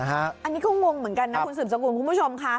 อันนี้ก็งงเหมือนกันนะคุณสืบสกุลคุณผู้ชมค่ะ